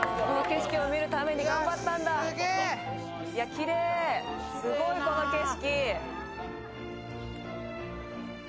きれいすごい、この景色。